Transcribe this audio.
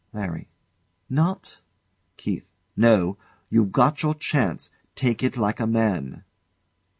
LARRY. Not? KEITH. No. You've got your chance. Take it like a man.